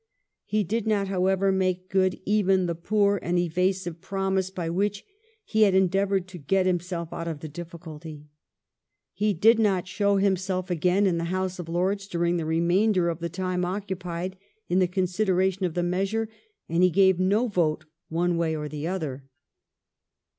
He did not, however, make good even the poor and evasive promise by which he had endeavoured to get himself out of the difficulty. He did not show himself again in the House of Lords during the remainder of the time occupied in the consideration of the measure, and he gave no vote one way or the other.